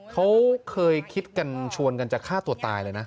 เขาเคยคิดกันชวนกันจะฆ่าตัวตายเลยนะ